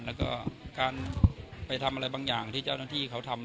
และการไปทำบางอย่างที่เจ้าหน้าที่เขาทำ